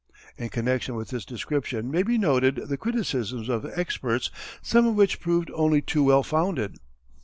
In connection with this description may be noted the criticisms of experts some of which proved only too well founded.